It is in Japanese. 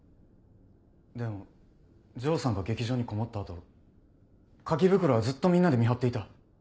でも城さんが劇場にこもった後鍵袋はずっとみんなで見張っていた。